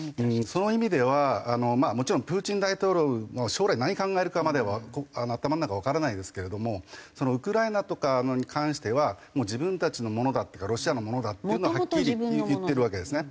その意味ではまあもちろんプーチン大統領の将来何考えるかまでは頭の中わからないですけれどもウクライナとかに関してはもう自分たちのものだっていうかロシアのものだっていうのははっきり言ってるわけですね。